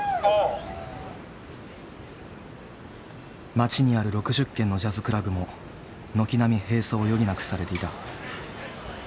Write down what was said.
街にある６０軒のジャズクラブも軒並み閉鎖を余儀なくされていた。